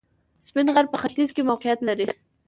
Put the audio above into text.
سپین غر په ختیځ کې موقعیت لري